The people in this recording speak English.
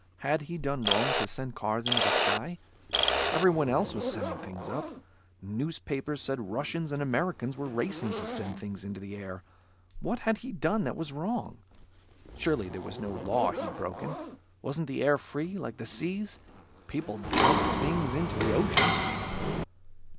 Had he done wrong to send cars into the sky? Everyone else was sending things up. Newspapers said Russians and Americans were racing to send things into the air. What had he done that was wrong? Surely there was no law he'd broken. Wasn't the air free, like the seas? People dumped things into the ocean.